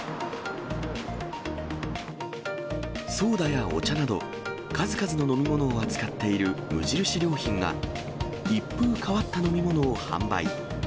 ソーダやお茶など、数々の飲み物を扱っている無印良品が、一風変わった飲み物を販売。